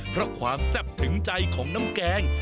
เพราะความแซ่บถึงใจของน้ำแกง